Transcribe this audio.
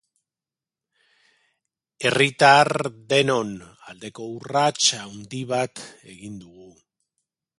Herritar denon aldeko urrats handi bat egin dugu.